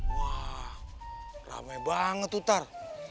wah rame banget utar